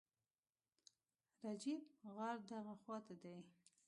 رجیب، غار دغه خواته دی.